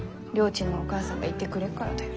ちんのお母さんがいてくれっからだよ。